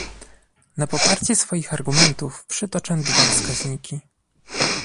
Na poparcie swoich argumentów przytoczę dwa wskaźniki